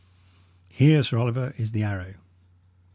"Here, Sir Oliver, is the arrow.